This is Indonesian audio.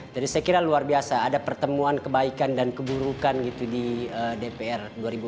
jadi saya kira luar biasa ada pertemuan kebaikan dan keburukan di dpr dua ribu empat belas